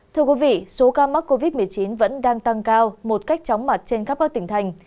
thưa quý vị số ca mắc covid một mươi chín vẫn đang tăng cao một cách chóng mặt trên khắp các tỉnh thành